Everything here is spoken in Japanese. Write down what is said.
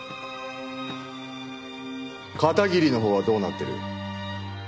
片桐のほうはどうなってる？